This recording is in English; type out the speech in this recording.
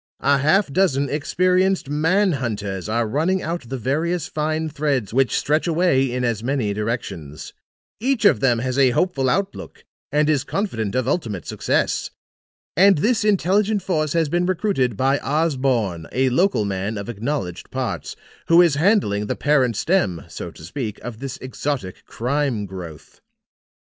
A half dozen experienced man hunters are running out the various fine threads which stretch away in as many directions. Each of them has a hopeful outlook and is confident of ultimate success. And this intelligent force has been recruited by Osborne, a local man of acknowledged parts, who is handling the parent stem, so to speak, of this exotic crime growth.